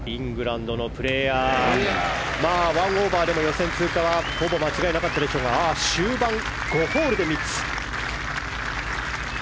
１オーバーでも予選通過はほぼ間違いなかったでしょうが終盤、５ホールで３つ。